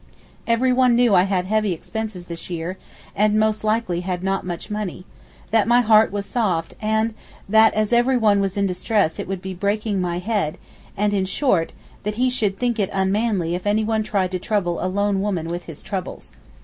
Everyone knew I had had heavy expenses this year, and most likely had not much money; that my heart was soft, and that as everyone was in distress it would be 'breaking my head,' and in short that he should think it unmanly if anyone tried to trouble a lone woman with his troubles.